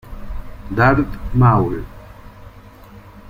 Darth Maul.